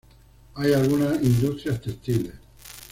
Hay algunas industrias textiles.